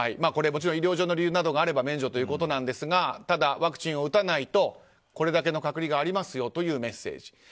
これ、もちろん医療上の理由などがあれば免除ということなんですがただ、ワクチンを打たないとこれだけの隔離がありますよというメッセージ。